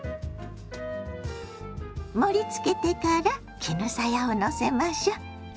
盛りつけてから絹さやをのせましょ。